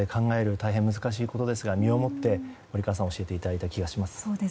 大変難しいことですが身をもって教えていただいた気がします。